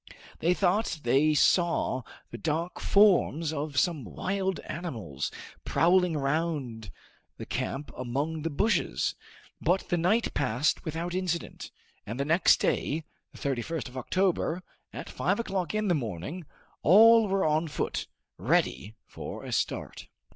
They thought they saw the dark forms of some wild animals prowling round the camp among the bushes, but the night passed without incident, and the next day, the 31st of October, at five o'clock in the morning, all were on foot, ready for a start.